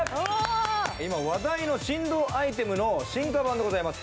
今話題の振動アイテムの進化版でございます。